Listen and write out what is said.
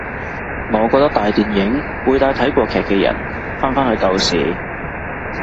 我覺得大電影會帶睇過劇嘅人返返去舊時